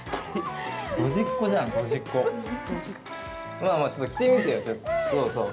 まあ、まあちょっと着てみてよ。